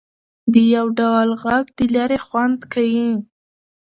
د ډول ږغ د ليري خوند کيي.